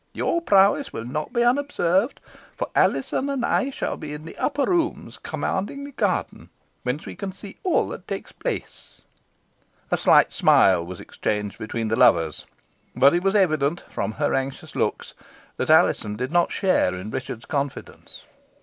Your prowess will not be unobserved, for Alizon and I shall be in the upper room commanding the garden, whence we can see all that takes place." A slight smile was exchanged between the lovers; but it was evident, from her anxious looks, that Alizon did not share in Richard's confidence.